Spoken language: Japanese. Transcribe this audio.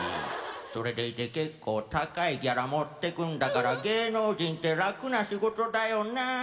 それでいて結構高いギャラ持ってくんだから芸能人って楽な仕事だよな！」。